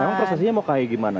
memang prestasinya mau kayak gimana